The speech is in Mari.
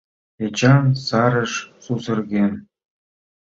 Эчан сареш сусырген.